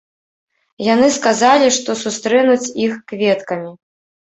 Яны сказалі, што сустрэнуць іх кветкамі.